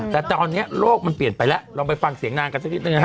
แต่ตอนนี้โลกมันเปลี่ยนไปแล้วลองไปฟังเสียงนางกันสักนิดนึงนะฮะ